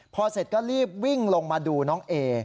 พอเสร็จก็รีบวิ่งลงมาดูน้องเอ